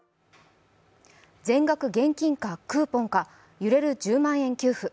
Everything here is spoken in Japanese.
全額現金かクーポンか、揺れる１０万円給付。